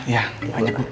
ya banyak bu